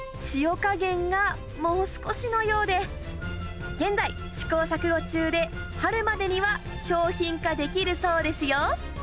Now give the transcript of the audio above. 塩加減がもう少しのようで、現在、試行錯誤中で、春までには商品化できるそうですよ。